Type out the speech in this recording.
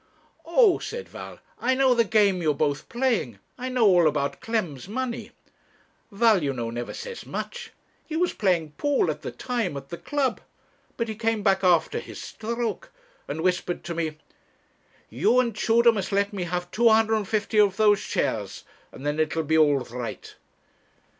'Oh!' said Val, 'I know the game you are both playing. I know all about Clem's money.' Val, you know, never says much. He was playing pool at the time, at the club; but he came back after his stroke, and whispered to me 'You and Tudor must let me have 250 of those shares, and then it'll be all right.'